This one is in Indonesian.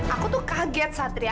aku tuh kaget satria